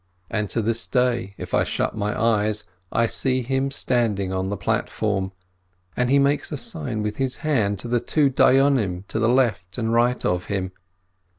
And to this day, if I shut my eyes, I see him standing on the platform, and he makes a sign with his hand to the two Dayonim to the left and right of him.